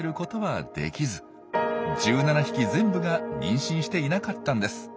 １７匹全部が妊娠していなかったんです。